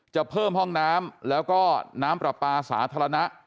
จะเพิ่มห้องน้ำแล้วก็น้ำปลาปลาสาธารณะ